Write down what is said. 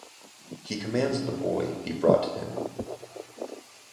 He commands the boy be brought to him.